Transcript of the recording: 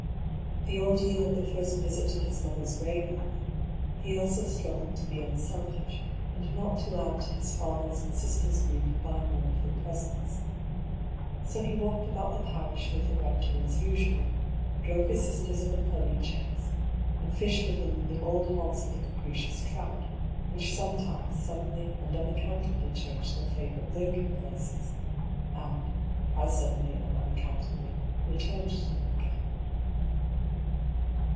The ordeal of the first visit to his mother's grave over, he also struggled to be unselfish, and not to add to his father's and sisters' grief by a mournful presence. So he walked about the parish with the rector as usual, drove his sisters in the pony chaise, and fished with them in the old haunts of the capricious trout, which some 20 DR. PAULL'S THEORY. times suddenly and unaccountably changed their favour ite lurking places, and as suddenly and unaccountably returned to them again.